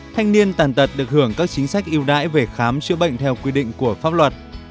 thanh niên tàn tật được hưởng các chính sách yêu đãi về khám chữa bệnh theo quy định của pháp luật